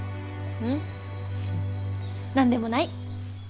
ううん何でもない。